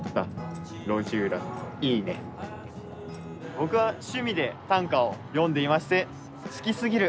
僕は、趣味で短歌を詠んでいまして好きすぎる